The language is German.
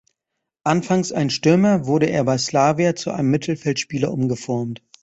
Anfangs ein Stürmer, wurde er bei Slavia zu einem Mittelfeldspieler umgeformt.